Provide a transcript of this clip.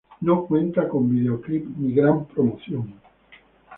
No cuenta con videoclip ni gran promoción.